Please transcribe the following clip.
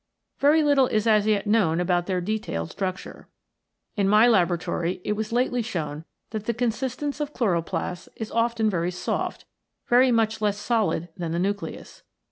Very little is as yet known about their detailed structure . 58 CYTOPLASM AND NUCLEUS In my laboratory it was lately shown that the con sistence of chloroplasts is often very soft, very much less solid than the nucleus.